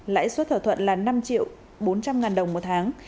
lãi suất thỏa thuận là năm triệu bốn trăm linh ngàn đồng một tháng